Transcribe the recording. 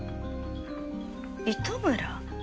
糸村？